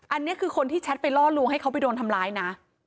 อันนี้คือคนที่แชทไปล่อลวงให้เขาไปโดนทำร้ายนะ